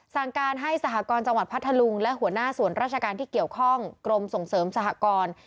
สั่งการให้สหกรจังหวัดพัทธลุงและหัวหน้าส่วนราชการที่เกี่ยวข้องกรมส่งเสริมสหกร